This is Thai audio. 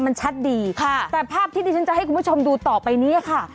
มันชัดดีค่ะแต่ภาพที่ที่ฉันจะให้คุณผู้ชมดูต่อไปนี้ค่ะ